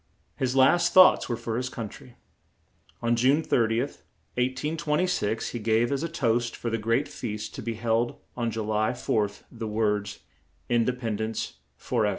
His last thoughts were for his coun try. On June 30th, 1826, he gave as a toast for the great feast to be held on Ju ly 4th the words: "In de pend ence for ev er."